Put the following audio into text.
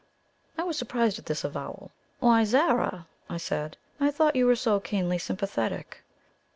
I was surprised at this avowal. "Why, Zara," I said, "I thought you were so keenly sympathetic?"